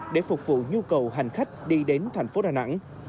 để phục vụ nhu cầu hành khách đi đến thành phố đà nẵng